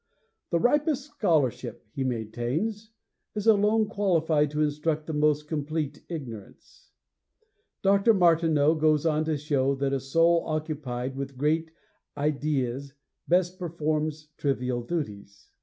'The ripest scholarship,' he maintains, 'is alone qualified to instruct the most complete ignorance.' Dr. Martineau goes on to show that a soul occupied with great ideas best performs trivial duties.